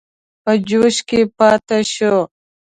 په جوش کې پاته شو.